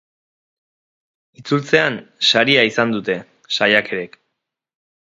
Itzultzean, saria izan dute saiakerek.